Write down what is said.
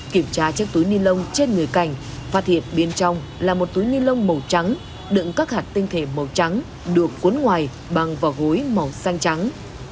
kiểm tra chiếc túi ni lông trên người cảnh phát hiện bên trong là một túi ni lông màu trắng đựng các hạt tinh thể màu trắng được cuốn ngoài bằng vỏ gối màu xanh trắng